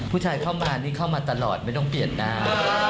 ผู้ชายเข้ามานี่เข้ามาตลอดไม่ต้องเปลี่ยนหน้า